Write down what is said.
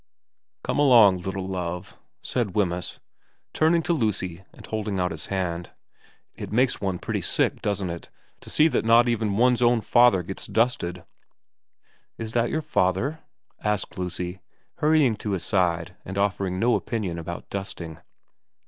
' Come along, little Love,' said Wemyss, turning to Lucy and holding out his hand. ' It makes one pretty sick, doesn't it, to see that not even one's own father gets dusted.' * Is that your father ?' asked Lucy, hurrying to his side and offering no opinion about dusting.